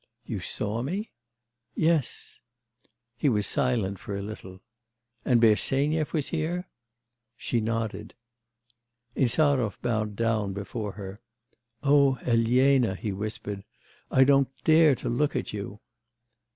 'You saw me?' 'Yes.' He was silent for a little. 'And Bersenyev was here?' She nodded. Insarov bowed down before her. 'O Elena!' he whispered, 'I don't dare to look at you.